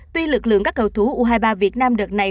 tuy lực lượng các cầu thủ u hai mươi ba việt nam đợt này